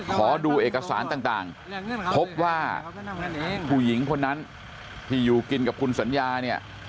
ขอดูเอกสารต่างพบว่าผู้หญิงคนนั้นที่อยู่กินกับคุณสัญญาเนี่ย